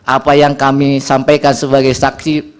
apa yang kami sampaikan sebagai saksi